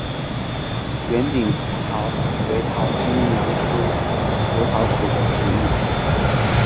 圆顶蒲桃为桃金娘科蒲桃属的植物。